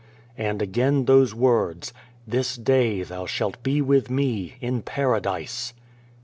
And again those words :" This day thou shalt be with Me in Paradise